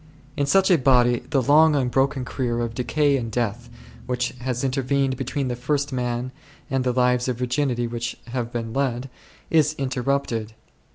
In such a body the long unbroken career of decay and death, which has intervened between 9 the first man and the lives of virginity which have been led, is interrupted.